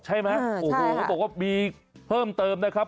ใช่ไหมโอ้โหเขาบอกว่ามีเพิ่มเติมนะครับ